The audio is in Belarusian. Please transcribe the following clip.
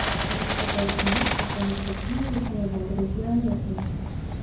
У некаторых месцах яны прасунуліся на два-тры кіламетры.